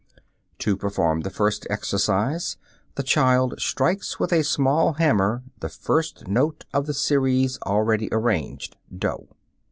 To perform the first exercise the child strikes with a small hammer the first note of the series already arranged (doh).